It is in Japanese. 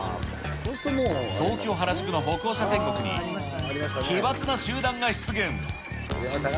東京・原宿の歩行者天国に、奇抜な集団が出現。